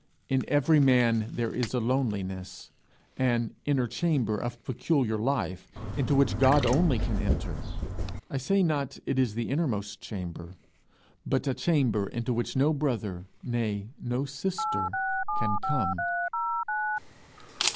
In every man there is a loneliness, an inner chamber of peculiar life into which God only can enter. I say not it is the innermost chamber but a chamber into which no brother, nay, no sister can come.